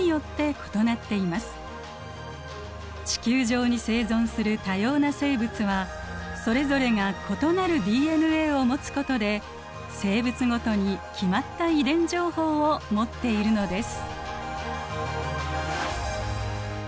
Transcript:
地球上に生存する多様な生物はそれぞれが異なるＤＮＡを持つことで生物ごとに決まった遺伝情報を持っているのです。